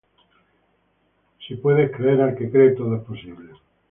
Y Jesús le dijo: Si puedes creer, al que cree todo es posible.